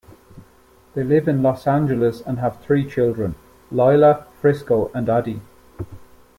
They live in Los Angeles and have three children: Lila, Frisco, and Addie.